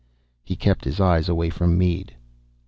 He kept his eyes away from Mead.